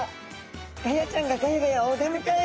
ガヤちゃんがガヤガヤお出迎え。